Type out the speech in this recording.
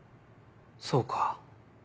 そうか。